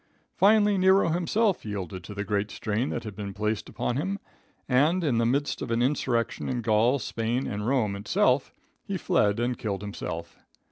Finally, Nero himself yielded to the great strain that had been placed upon him and, in the midst of an insurrection in Gaul, Spain and Rome itself, he fled and killed himself.